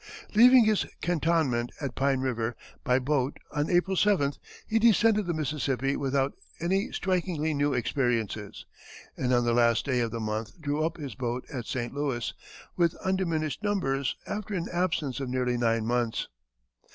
Leaving his cantonment at Pine River, by boat, on April 7th he descended the Mississippi without any strikingly new experiences, and on the last day of the month drew up his boat at St. Louis, with undiminished numbers, after an absence of nearly nine months.